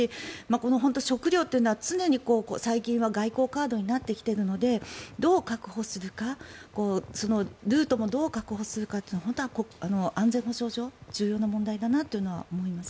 この食料というのは常に最近は外交カードになってきているのでどう確保するか、そのルートもどう確保するかというのは本当、安全保障上重要な問題だなと思います。